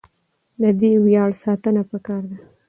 د دې ویاړ ساتنه پکار ده.